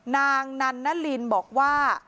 นางนันนลินบอกว่า